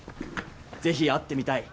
「是非会ってみたい。